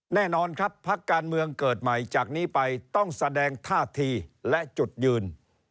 แน่นอนครับพักการเมืองเกิดใหม่จากนี้ไปต้องแสดงท่าทีและจุดยืน